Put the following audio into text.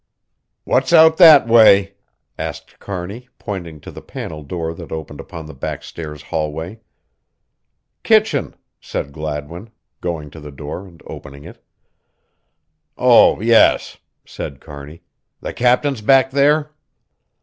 "What's out that way?" asked Kearney, pointing to the panel door that opened upon the backstairs hallway. "Kitchen," said Gladwin, going to the door and opening it. "Oh, yes," said Kearney, "the captain's back there?"